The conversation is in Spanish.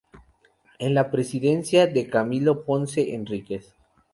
En la Presidencia de Camilo Ponce Enríquez.